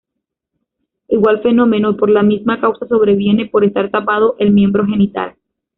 Igual fenómeno y por la misma causa sobreviene por estar tapado el miembro genital.